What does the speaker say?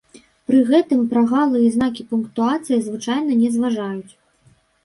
Пры гэтым прагалы і знакі пунктуацыі звычайна не зважаюць.